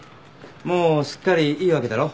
もうすっかりいいわけだろ？